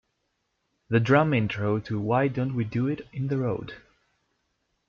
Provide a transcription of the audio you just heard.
The drum intro to Why Don't We Do It in the Road?